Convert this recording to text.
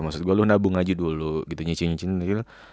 maksud gue lu nabung aja dulu gitu nyicin nyicin gitu